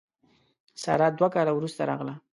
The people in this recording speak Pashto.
ساره دوه کاله وروسته راغله.